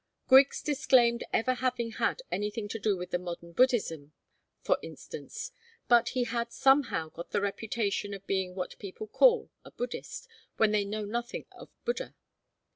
Griggs disclaimed ever having had anything to do with modern Buddhism, for instance. But he had somehow got the reputation of being what people call a Buddhist when they know nothing of Buddha.